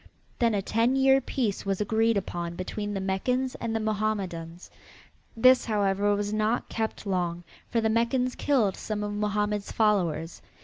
Then a ten year peace was agreed upon between the Meccans and the Mohammedans. This, however, was not kept long, for the Meccans killed some of Mohammed's followers.